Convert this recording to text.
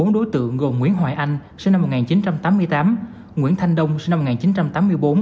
bốn đối tượng gồm nguyễn hoài anh sinh năm một nghìn chín trăm tám mươi tám nguyễn thanh đông sinh năm một nghìn chín trăm tám mươi bốn